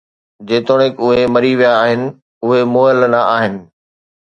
جيتوڻيڪ اهي مري ويا آهن، اهي مئل نه آهن